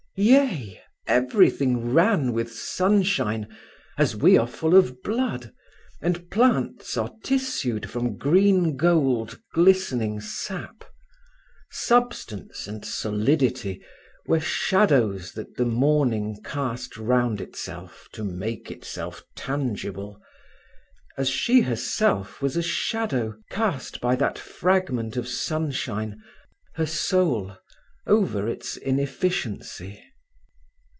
Yea, everything ran with sunshine, as we are full of blood, and plants are tissued from green gold, glistening sap. Substance and solidity were shadows that the morning cast round itself to make itself tangible: as she herself was a shadow, cast by that fragment of sunshine, her soul, over its inefficiency.